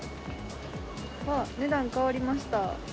わー、値段変わりました。